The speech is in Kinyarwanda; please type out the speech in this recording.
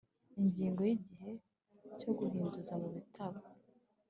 Ingingo yigihe cyo guhinduza mu gitabo